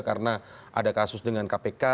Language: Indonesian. karena ada kasus dengan kpk